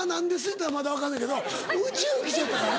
やったらまだ分かんねんけど宇宙きちゃったから。